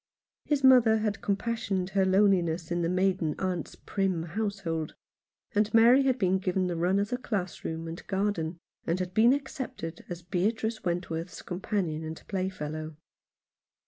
His mother had compassionated her loneliness in the maiden aunt's prim household ; and Mary had been given the run of the schoolroom and garden, and had been accepted as Beatrice Wentworth's companion and playfellow.